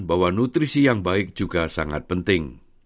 bahwa nutrisi yang baik juga sangat penting